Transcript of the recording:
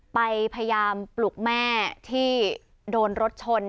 พยายามปลุกแม่ที่โดนรถชน